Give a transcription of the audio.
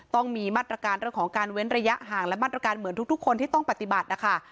ต้องมีมาตรการเรื่องของการเว้นระยะห่างและมาตรการเหมือนทุกคนที่ต้องปฏิบัตินะคะ